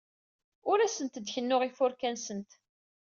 Ur asent-d-kennuɣ ifurka-nsent.